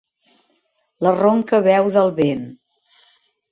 La ronca veu del vent.